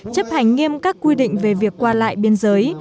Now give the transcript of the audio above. chấp hành nghiêm các quy định về việc qua lại biên giới